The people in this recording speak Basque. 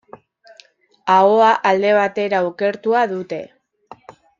Ahoa alde batera okertua dute.